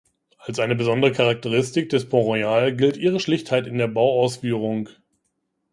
Als eine besondere Charakteristik des Pont Royal gilt ihre Schlichtheit in der Bauausführung.